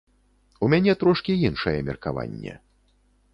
У мяне трошкі іншае меркаванне.